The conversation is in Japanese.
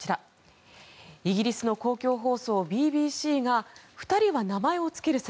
イギリスの公共放送ＢＢＣが２人は名前を付ける際